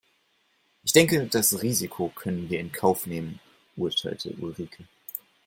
"Ich denke das Risiko können wir in Kauf nehmen", urteilte Ulrike.